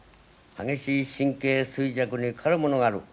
激しい神経衰弱にかかるものがある。